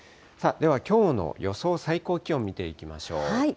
では、きょうの予想最高気温見ていきましょう。